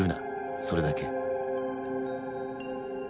それだけ。